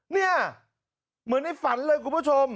เนี่ยเหมือนในฝันเลยคุณผู้ชม